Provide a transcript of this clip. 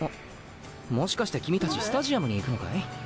もしかして君たちスタジアムに行くのかい？